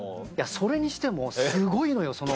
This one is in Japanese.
それにしてもすごいのよその。